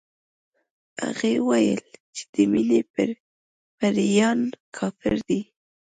هغې ويل چې د مينې پيريان کافر دي